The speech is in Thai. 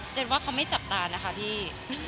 ว่าเขาไม่จับตานะคะพี่